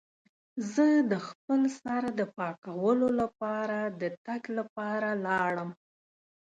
زه د خپل سر د پاکولو لپاره د تګ لپاره لاړم.